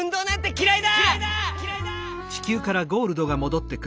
きらいだ！